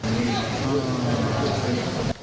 ไม่มีดูดหน่อย